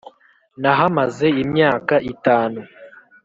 nahamaze imyaka itanu.